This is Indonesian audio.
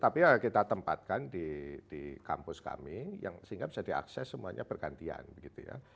tapi ya kita tempatkan di kampus kami yang sehingga bisa diakses semuanya bergantian begitu ya